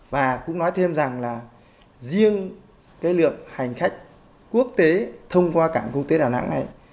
và cũng nói thêm rằng là riêng cái lượng hành khách quốc tế thông qua cảng quốc tế đà nẵng này